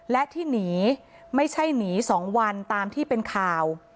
และที่หนีไม่ใช่หนี๒วันตามที่เป็นข่าว